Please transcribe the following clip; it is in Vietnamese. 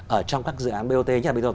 ở trong các dự án bot